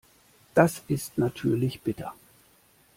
Das ist natürlich bitter.